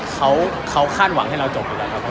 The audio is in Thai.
เขาคาดหวังให้เราจบอยู่แล้วครับ